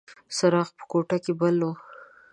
څراغ په کوټه کې بل و.